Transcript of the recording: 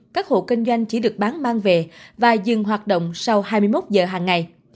các hộ kinh doanh chỉ được bán mang về và dừng hoạt động sau hai mươi một giờ hàng ngày